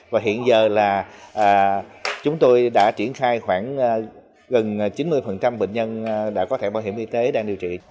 và hiện giờ là chúng tôi đã triển khai khoảng gần chín mươi bệnh nhân đã có thẻ bảo hiểm y tế đang điều trị